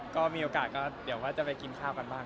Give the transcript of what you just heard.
ก็มีโอกาสก็เดี๋ยวว่าจะไปกินข้าวกันบ้าง